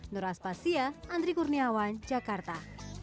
nur aspasya andri kurniawan jakarta